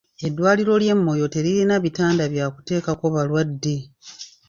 Eddwaliro ly'e Moyo teririna bitanda bya kuteekako balwadde.